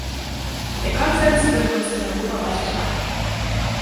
Der Konsens wird uns in Europa weiter tragen.